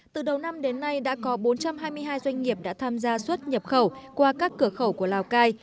từ đầu năm đến nay đã có bốn trăm hai mươi hai doanh nghiệp đã tham gia xuất nhập khẩu qua các cửa khẩu của lào cai